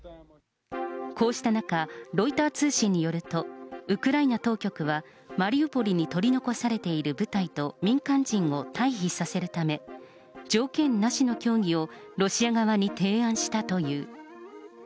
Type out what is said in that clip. こうした中、ロイター通信によると、ウクライナ当局は、マリウポリに取り残されている部隊と民間人を退避させるため、条件なしの協議をロシア側に提案したという。